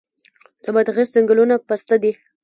د بادغیس ځنګلونه پسته دي